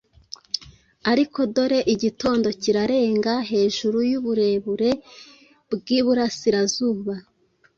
Ariko dore! Igitondo kirarenga hejuru yuburebure bwiburasirazuba,